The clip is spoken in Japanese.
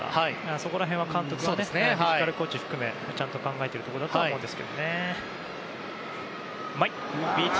そこら辺は、監督もフィジカルコーチも含めちゃんと考えていると思います。